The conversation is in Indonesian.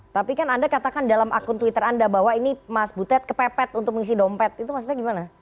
tapi kan anda katakan dalam akun twitter anda bahwa ini mas butet kepepet untuk mengisi dompet itu maksudnya gimana